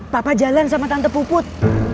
papa jalan sama tante puput